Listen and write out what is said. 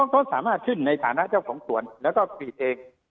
เขาสามารถขึ้นในฐานะเจ้าของสวนแล้วก็ผลิตเอง